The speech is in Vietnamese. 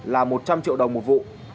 là một trăm linh triệu đồng một vụ